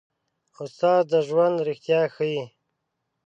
استاد د ژوند رښتیا ښيي.